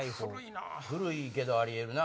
古いけどあり得るな。